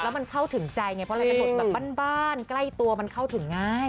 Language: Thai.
แล้วมันเข้าถึงใจไงเพราะละครแบบบ้านใกล้ตัวมันเข้าถึงง่าย